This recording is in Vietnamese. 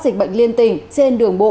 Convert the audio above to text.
dịch bệnh liên tỉnh trên đường bộ